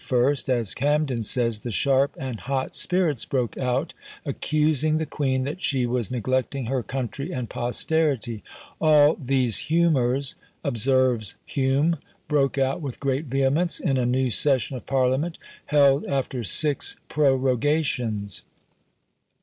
as Camden says, "the sharp and hot spirits broke out, accusing the queen that she was neglecting her country and posterity." All "these humours," observes Hume, "broke out with great vehemence, in a new session of parliament, held after six prorogations."